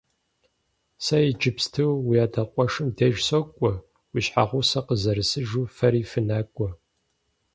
Сэ иджыпсту уи адэ къуэшым деж сокӀуэ, уи щхьэгъусэр къызэрысыжу фэри фынакӀуэ.